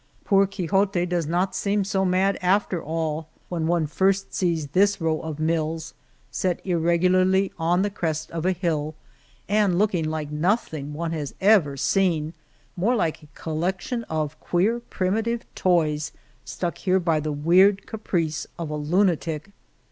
Poor Quixote does not seem so mad after all when one first sees this row of mills set irregularly on the crest of a hill and looking like nothing one has ever seen, more like a collection , of queer, primitive toys stuck there by the weird ca price of a lunatic.